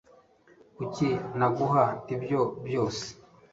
kuki naguha ibyo byose